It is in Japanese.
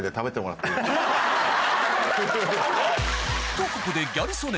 とここでギャル曽根